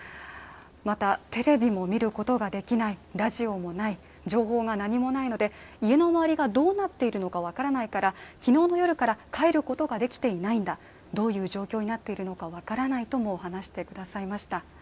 また、テレビも見ることができないラジオもない、情報が何もないので家の周りがどうなっているか分からないから昨日の夜から帰ることができていないんだどういう状況になっているのか分からないとも話してくださいました。